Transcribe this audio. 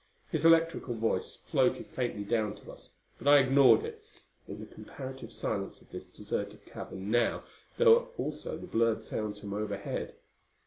His electrical voice floated faintly down to us; but I ignored it. In the comparative silence of this deserted cavern, now, there were also the blurred sounds from overhead.